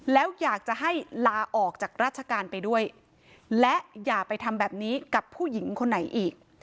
แล้วอยากจะให้ลาออกจากราชการไปด้วยและอย่าไปทำแบบนี้กับผู้หญิงคนไหนอีก